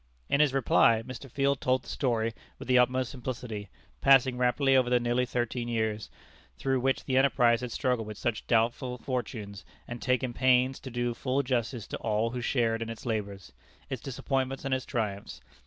In his reply, Mr. Field told the story with the utmost simplicity, passing rapidly over the nearly thirteen years, through which the enterprise had struggled with such doubtful fortunes, and taking pains to do full justice to all who shared in its labors, its disappointments and its triumphs.